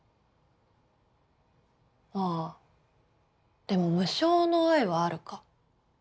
あっでも無償の愛はあるか。